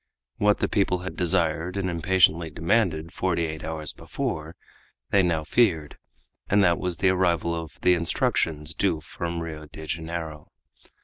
What the people had desired and impatiently demanded forty eight hours before, they now feared, and that was the arrival of the instructions due from Rio de Janeiro.